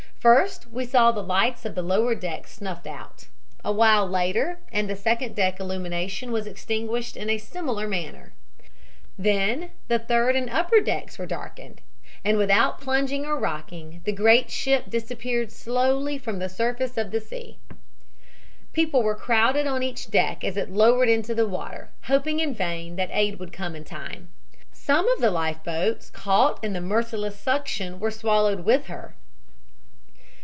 First we saw the lights of the lower deck snuffed out. A while later and the second deck illumination was extinguished in a similar manner. Then the third and upper decks were darkened, and without plunging or rocking the great ship disappeared slowly from the surface of the sea. "People were crowded on each deck as it lowered into the water, hoping in vain that aid would come in time. Some of the life boats caught in the merciless suction were swallowed with her.